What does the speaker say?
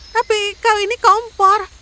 tapi kau ini kompor